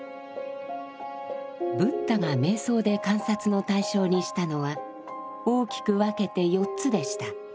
ブッダが瞑想で観察の対象にしたのは大きく分けて４つでした。